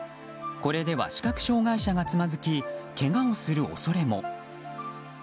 これでは視覚障害者がつまずきけがをする恐れも。